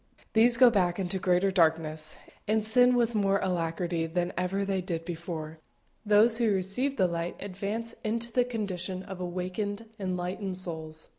These go back into greater darkness, and sin with more alacrity than ever they did before; those who receive the light advance into the condition of awakened, enlightened souls.